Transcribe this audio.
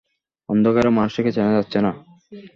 অন্ধকারে মানুষটিকে চেনা যাচ্ছে না।